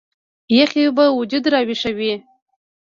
يخې اوبۀ وجود راوېخوي